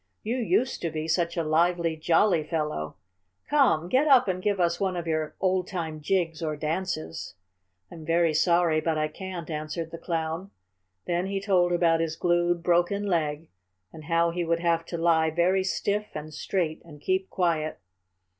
"You used to be such a lively, jolly fellow. Come, get up and give us one of your old time jigs or dances." "I'm very sorry, but I can't," answered the Clown. Then he told about his glued, broken leg, and how he would have to lie very stiff and straight and keep quiet.